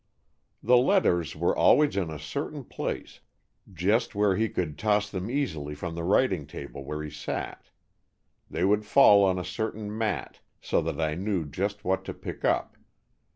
"The letters were always in a certain place, just where he could toss them easily from the writing table where he sat. They would fall on a certain mat, so that I knew just what to pick up.